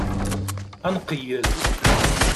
Ad nqeyyel.